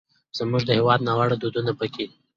زموږ د هېواد ناوړه دودونه پکې